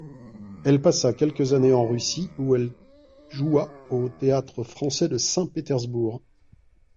Elle passa quelques années en Russie, où elle joua au Théâtre français de Saint-Pétersbourg.